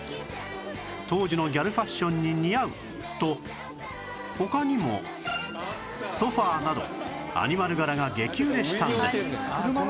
当時のギャルファッションに似合うと他にもソファーなどアニマル柄が激売れしたんです